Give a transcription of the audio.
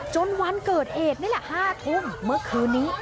วันเกิดเหตุนี่แหละ๕ทุ่มเมื่อคืนนี้